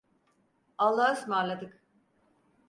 Allahaısmarladık.